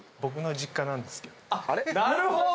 なるほど！